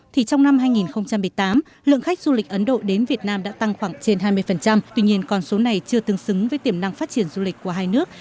thì trong năm hai nghìn một mươi tám lượng khách du lịch ấn độ đến việt nam đã tăng khoảng trên hai mươi tuy nhiên con số này chưa tương xứng với tiềm năng phát triển du lịch của hai nước